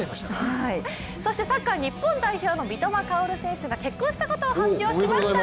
そしてサッカー日本代表の三笘薫選手が結婚したことを発表しました。